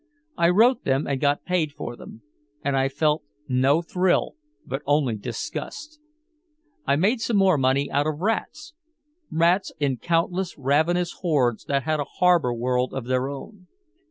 I wrote them and got paid for them. And I felt no thrill but only disgust. I made some more money out of rats rats in countless ravenous hordes that had a harbor world of their own.